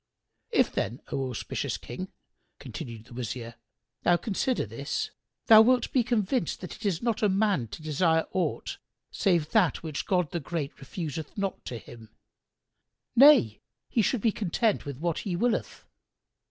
"If then, O auspicious King," continued the Wazir, "thou consider this, thou wilt be convinced that it is not for a man to desire aught save that which God the Great refuseth not to him; nay, he should be content with what He willeth.